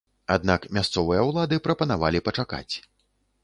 Аднак мясцовыя ўлады прапанавалі пачакаць.